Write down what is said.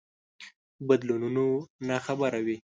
بدلونونو ناخبره وي.